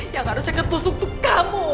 yang harusnya ketusuk itu kamu